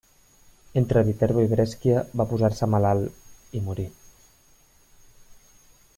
Entre Viterbo i Brescia va posar-se malalt i morir.